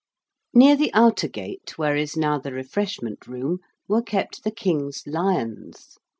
Near the outer gate where is now the Refreshment Room were kept the King's lions.